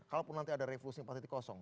kalaupun nanti ada revolusi yang pasti kosong